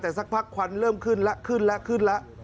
แต่สักพักควันเริ่มขึ้นแล้วขึ้นแล้วขึ้นแล้ว